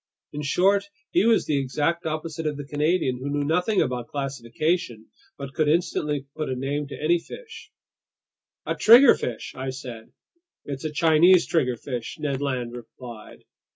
In short, he was the exact opposite of the Canadian, who knew nothing about classification but could instantly put a name to any fish. "A triggerfish," I said. "It's a Chinese triggerfish," Ned Land replied.